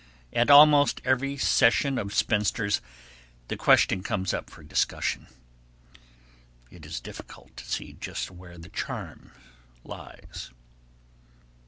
At almost every session of spinsters, the question comes up for discussion. It is difficult to see just where the charm lies.